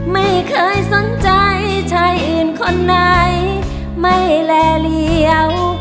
ไม่เคยสนใจชายอื่นคนไหนไม่แลเหลี่ยว